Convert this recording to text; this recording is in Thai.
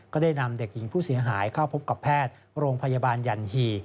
ได้นำเด็กหญิงผู้เสียหายเข้าพบกับแพทย์โรงพยาบาลยันหี่